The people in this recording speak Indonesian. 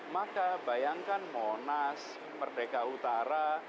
maka bayangkan monas merdeka utara